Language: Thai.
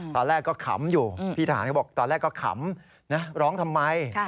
ตอนแรกก็ขำอยู่พี่ทหารเขาบอกตอนแรกก็ขำนะร้องทำไม